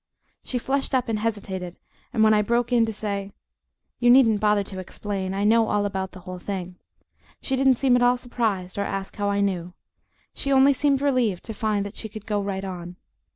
She flushed up and hesitated, and when I broke in to say, "You needn't bother to explain, I know all about the whole thing," she didn't seem at all surprised or ask how I knew she only seemed relieved to find that she could go right on.